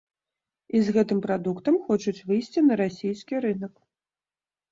І з гэтым прадуктам хочуць выйсці на расійскі рынак.